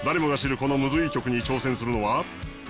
このムズいい曲に挑戦するのは。